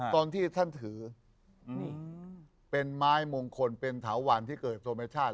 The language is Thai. ตอนที่ท่านถือเป็นไม้มงคลเป็นเถาวันที่เกิดธรรมชาติ